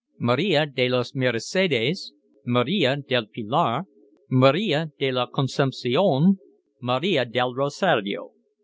Maria de los Mercedes, Maria del Pilar, Maria de la Concepcion, Maria del Rosario."